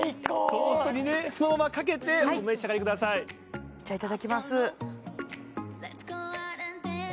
トーストにそのままかけてお召し上がりくださいじゃいただきます